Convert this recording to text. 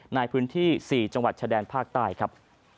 ในพื้นที่๔จังหวัดชายแดนภาคใต้ครับ